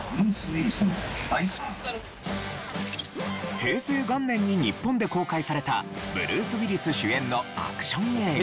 平成元年に日本で公開されたブルース・ウィリス主演のアクション映画。